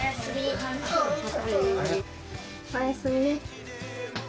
おやすみ。